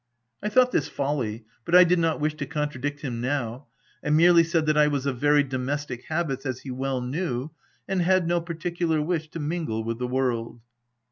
I thought this folly; but I did not wish to contradict him now : I merely said that I was of very domestic habits, as he well knew, and had no particular wish to mingle with the world.